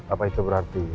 apa itu berarti